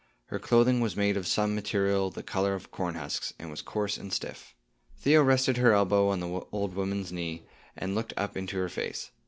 Her clothing was made of some material the color of cornhusks, and was coarse and stiff. Theo rested her elbow on the old woman's knee, and looked up into her face.